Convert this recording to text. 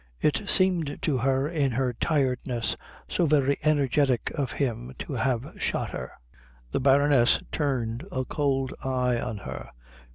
It seemed to her in her tiredness so very energetic of him to have shot her. The Baroness turned a cold eye on her.